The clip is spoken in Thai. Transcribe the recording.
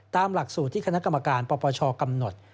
ตามหลักสูตรที่คณะกรรมการปปชกำหนด